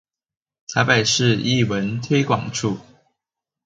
臺北市藝文推廣處